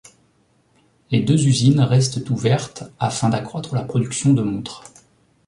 Les deux usines restent ouvertes afin d'accroître la production de montres.